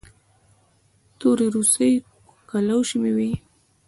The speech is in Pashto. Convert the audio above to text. تورې روسۍ کلوشې مې وې.